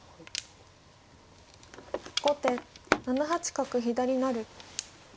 後手７八角左成。